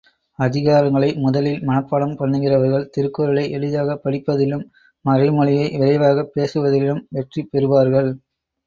அதிகாரங்களை முதலில் மனப்பாடம் பண்ணுகிறவர்கள், திருக்குறளை எளிதாகப் படிப்பதிலும், மறைமொழியை விரைவாகப் பேசுவதிலும் வெற்றி பெறுவார்கள்.